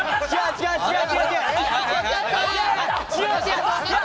違う違う！